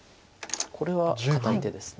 これは堅い手です。